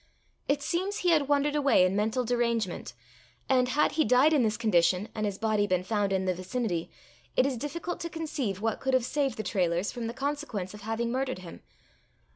It seems he had wandered away in mental derangement, and, had he died in this condition, and his body been found in the vicinity, it is difficult to conceive what could have saved the Trailors from the consequence of having murdered him.